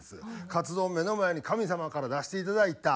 カツ丼を目の前に神様から出していただいた。